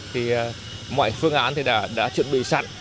thì mọi phương án thì đã chuẩn bị sẵn